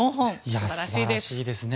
素晴らしいですね。